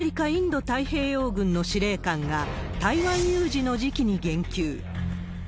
去年３月、アメリカ・インド太平洋軍の司令官が台湾有事の時期に言及。